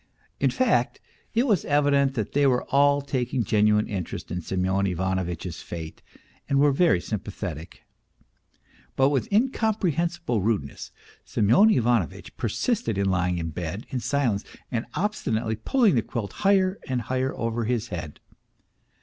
In fact, it was evident that they were all taking genuine interest in Semyon Ivanovitch's fate and were very sympathetic. But with incomprehensible rudeness, Semyon Ivanovitch persisted in lying in bed in silence, and obsti nately pulling the quilt higher and higher over his head.